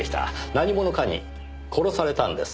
何者かに殺されたんです。